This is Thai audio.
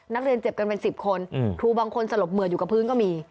นักเรียนเจ็บกันเป็น๑๐คนครูบางคนสลบเหมือดอยู่กับพื้นก็มี